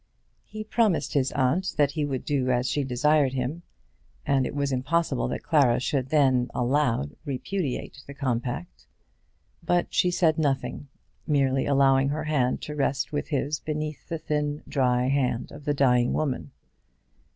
He promised his aunt that he would do as she desired him, and it was impossible that Clara should then, aloud, repudiate the compact. But she said nothing, merely allowing her hand to rest with his beneath the thin, dry hand of the dying woman.